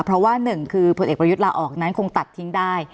เพราะว่าหนึ่งคือผลเอกประยุทธ์ลาออกนั้นคงตัดทิ้งได้